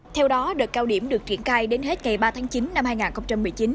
theo đó đợt cao điểm được triển khai đến hết ngày ba tháng chín năm hai nghìn một mươi chín